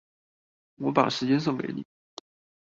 我把時間送給你